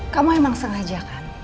kamu emang sengaja kan